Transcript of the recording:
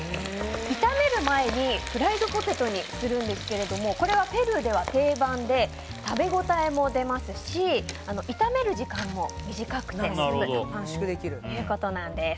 炒める前にフライドポテトにするんですけどこれはペルーでは定番で食べ応えも出ますし炒める時間も短くなるということです。